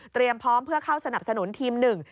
พร้อมเพื่อเข้าสนับสนุนทีมหนึ่ง